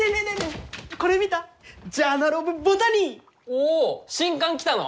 お新刊来たの！？